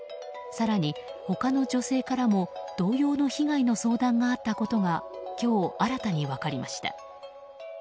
更に、他の女性からも同様の被害の相談があったことが今日、新たに分かりました。